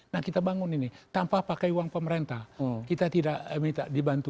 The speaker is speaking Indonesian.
nah kita bangun ini tanpa pakai uang pemerintah kita tidak minta dibantu